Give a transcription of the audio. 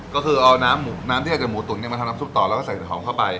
ก็คือเอาน้ำที่เอาจากหมูตุ๋นมาทำน้ำซุปต่อแล้วก็ใส่หอมเข้าไป